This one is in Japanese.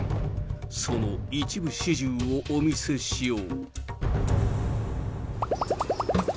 その一部始終をお見せしよう。